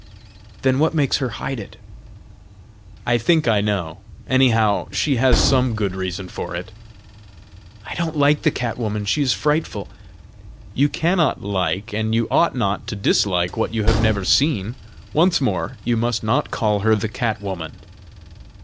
"Then what makes her hide it?" "I think I know: anyhow, she has some good reason for it!" "I don't like the cat woman! she is frightful!" "You cannot like, and you ought not to dislike what you have never seen. Once more, you must not call her the cat woman!"